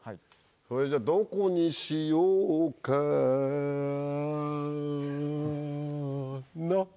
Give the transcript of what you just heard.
それじゃどこにしようかなっ！